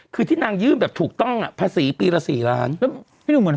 คือที่นางยื่มถูกต้องภาษีปีละ๔ล้าน